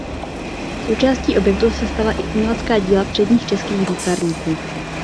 Součástí objektu se stala i umělecká díla předních českých výtvarníků.